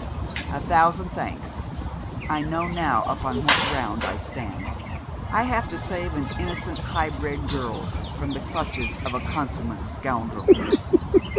'A thousand thanks. I know now upon what ground I stand. I have to save an innocent, high bred girl from the clutches of a consummate scoundrel.'